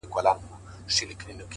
محبت په چیغو وایې قاسم یاره,